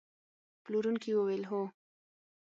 پلورونکي وویل: هو.